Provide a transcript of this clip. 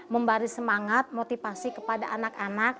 membaris semangat motivasi kepada anak anak